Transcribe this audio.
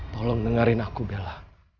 tolong dengerin aku bella